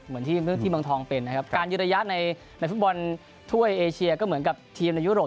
เหมือนที่เมืองทองเป็นนะครับการยืนระยะในฟุตบอลถ้วยเอเชียก็เหมือนกับทีมในยุโรป